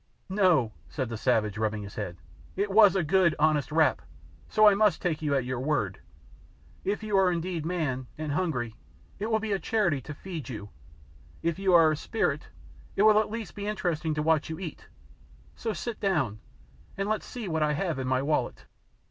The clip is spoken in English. '' "No," said the savage, rubbing his head, "it was a good, honest rap, so I must take you at your word. If you are indeed man, and hungry, it will be a charity to feed you; if you are a spirit, it will at least be interesting to watch you eat; so sit down, and let's see what I have in my wallet."